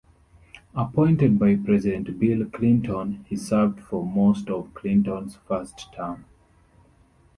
Appointed by President Bill Clinton, he served for most of Clinton's first term.